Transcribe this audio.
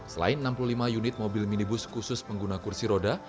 selain enam puluh lima unit mobil minibus khusus pengguna kursi roda